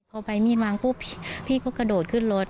เอาใบมีนวางพี่ก็กระโดดขึ้นรถ